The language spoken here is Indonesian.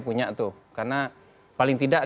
punya tuh karena paling tidak